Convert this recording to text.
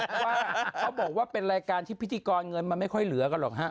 เพราะว่าเขาบอกว่าเป็นรายการที่พิธีกรเงินมันไม่ค่อยเหลือกันหรอกฮะ